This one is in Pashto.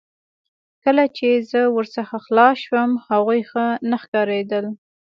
کله چې زه ورسره خلاص شوم هغوی ښه نه ښکاریدل